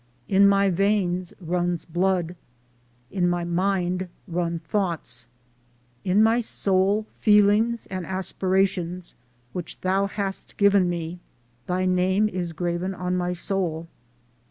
In my veins runs blood, in my mind run thoughts, in my soul feelings and aspirations which Thou hast given me. Thy name is graven on my soul.